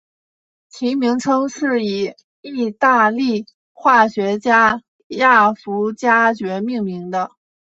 其名称是以义大利化学家亚佛加厥命名的。